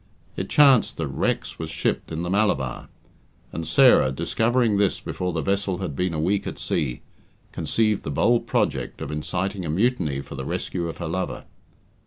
It chanced that Rex was shipped in the Malabar, and Sarah, discovering this before the vessel had been a week at sea, conceived the bold project of inciting a mutiny for the rescue of her lover.